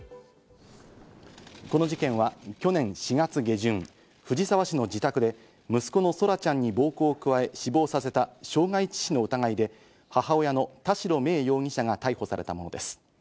この事件は去年４月下旬、藤沢市の自宅で息子の空来ちゃんに暴行を加え、死亡させた傷害致死の疑いで母親の田代芽衣容疑者が逮捕されたものです。